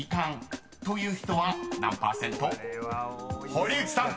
［堀内さん］